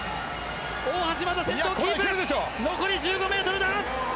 大橋、まだ先頭をキープ残り１５ｍだ。